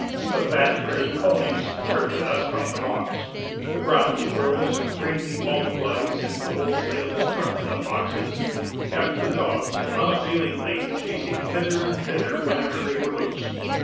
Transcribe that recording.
The fat, gray conies chirped at us from the rocks; the ground squirrels, greatly multiplied since the wholesale destruction of foxes, kept the dogs unavailingly chasing hither and thither whenever they were loose.